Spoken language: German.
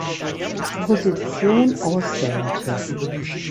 Position auswählte.